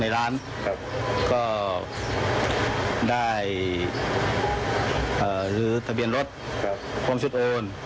แล้วก็อะไรอีกไม่รู้